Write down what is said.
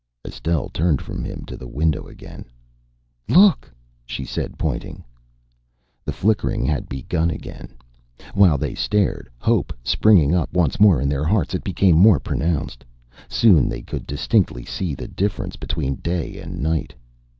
Estelle turned from him to the window again. "Look!" she said, pointing. The flickering had begun again. While they stared, hope springing up once more in their hearts, it became more pronounced. Soon they could distinctly see the difference between day and night.